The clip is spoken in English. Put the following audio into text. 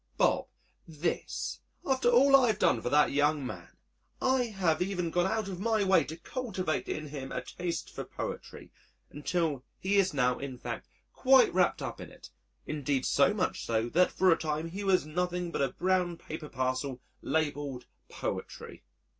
"Bob this! after all I've done for that young man! I have even gone out of my Way to cultivate in him a taste for poetry until he is now, in fact, quite wrapped up in it indeed, so much so, that for a time he was nothing but a brown paper parcel labelled Poetry."